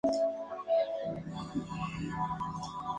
En promedio mide un metro de longitud y pesa alrededor de seis kg.